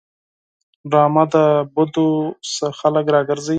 ډرامه د بدو څخه خلک راګرځوي